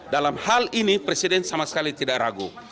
dalam hal ini presiden sama sekali tidak ragu